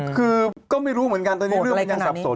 คือก็ไม่รู้เหมือนกันตอนนี้เรื่องมันยังสับสน